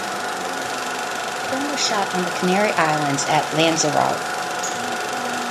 The film was shot on the Canary Islands, at Lanzarote.